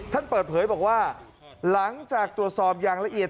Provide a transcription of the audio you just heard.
ท่านเปิดเผยบอกว่าหลังจากตรวจสอบอย่างละเอียด